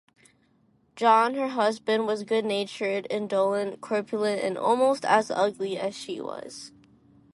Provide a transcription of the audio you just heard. John, her husband, was good-natured, indolent, corpulent and almost as ugly as she was.